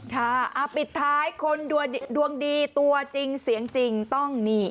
ค่ะปิดท้ายคนดวงดีตัวจริงเสียงจริงต้องนี่